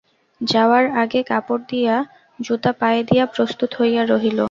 যাওয়ার আগে কাপড় পরিয়া জুতা পায়ে দিয়া প্রস্তুত হইয়া রহিল।